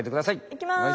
いきます。